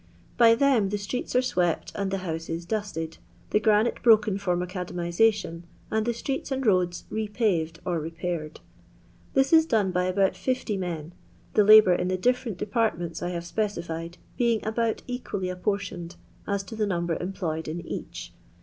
By them the streets are swept and the houaef dusted, the granite broken for macadamixation, and the streets and roads repaved or repaired. This is done by about 50 men, the labour in the different depart ments I have specified being about equally ap portioned a^ to the number employed in each.